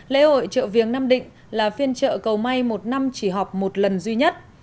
lễ hội chợ viếng nam định là phiên chợ cầu may một năm chỉ họp một lần duy nhất